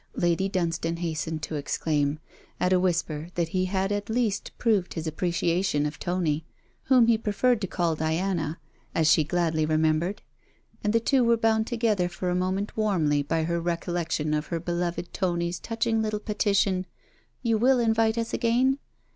Lady Dunstane hastened to exclaim, at a whisper that he had at least proved his appreciation of Tony; whom he preferred to call Diana, as she gladly remembered: and the two were bound together for a moment warmly by her recollection of her beloved Tony's touching little petition: 'You will invite us again?'